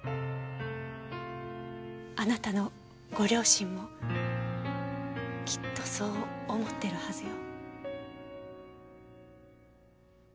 あなたのご両親もきっとそう思ってるはずよ。